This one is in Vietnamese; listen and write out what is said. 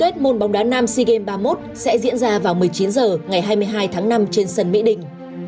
giải môn bóng đá nam sea games ba mươi một sẽ diễn ra vào một mươi chín h ngày hai mươi hai tháng năm trên sân mỹ đình